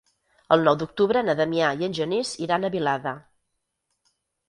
El nou d'octubre na Damià i en Genís iran a Vilada.